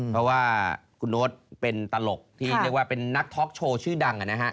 เพราะว่าคุณโน้ตเป็นตลกที่เป็นนักท็อคโชว์ชื่อดัง